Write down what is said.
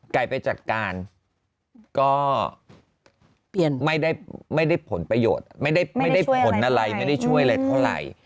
ไก่ไปจัดการก็ไม่ได้ผลประโยชน์ไม่ได้ผลอะไรไม่ได้ช่วยอะไรเท่าไหร่